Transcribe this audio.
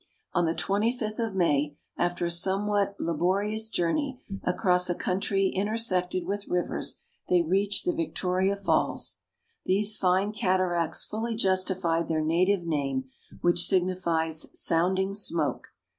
On the 25th of May, after a somewhat laborious journey across a country intersected with rivers, they reached the Victoria Falls. These fine cataracts fully justified their native name, which signifies " sounding smoke."